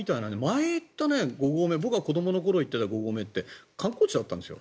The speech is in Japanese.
前行った五合目僕が子どもの頃に行ってた五合目って観光地だったんです。